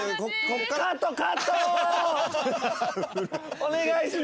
お願いします。